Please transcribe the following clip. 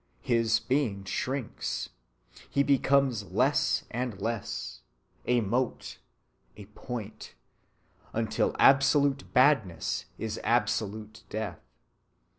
His being shrinks ... he becomes less and less, a mote, a point, until absolute badness is absolute death.